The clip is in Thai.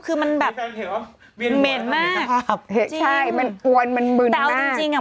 คือมันแบบเหม็นมากใช่มันอ้วนมันผมจริงจริงอ่ะ